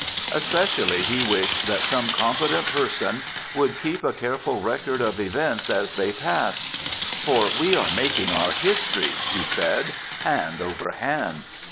Especially he wished that some competent person would keep a careful record of events as they passed; "for we are making our history," he said, "hand over hand."